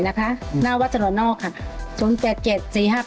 หน้าวัดจรวดนอกศูนย์๘๗๔๕๘๓๒๓๕